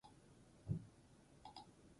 Baliteke atxiloketa gehiago egitea.